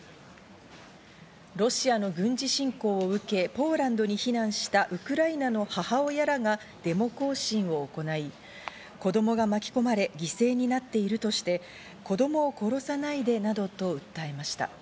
ロシアの軍事侵攻を受け、ポーランドに避難したウクライナの母親らがデモ行進を行い、子供が巻き込まれ犠牲になっているとして、子供を殺さないでなどと訴えました。